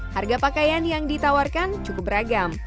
harga pakaian yang ditawarkan cukup beragam